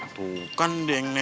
wah tuh kan dia yang nelfon